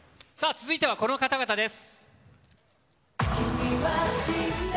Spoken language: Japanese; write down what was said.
続いてはこの方々です。